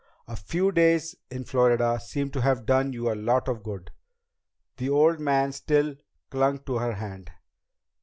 "A few days in Florida seem to have done you a lot of good." The old man still clung to her hand.